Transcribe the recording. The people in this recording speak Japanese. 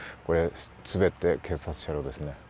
全て警察車両ですね。